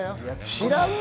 知らんな！